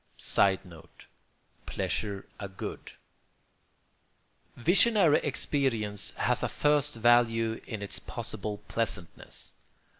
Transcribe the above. ] [Sidenote: Pleasure a good,] Visionary experience has a first value in its possible pleasantness.